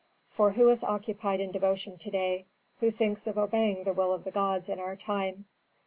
For who is occupied in devotion to day, who thinks of obeying the will of the gods in our time?